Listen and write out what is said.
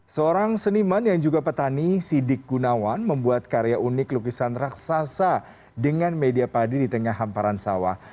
seorang seniman yang juga petani sidik gunawan membuat karya unik lukisan raksasa dengan media padi di tengah hamparan sawah